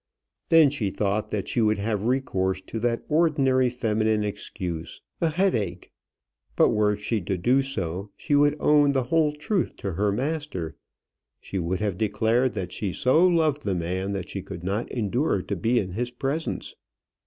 Then she thought that she would have recourse to that ordinary feminine excuse, a headache; but were she to do so she would own the whole truth to her master; she would have declared that she so loved the man that she could not endure to be in his presence.